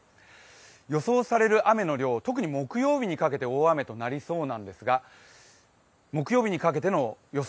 予想される雨の量、特に木曜日にかけて大雨となりそうなんですが、木曜日にかけての予想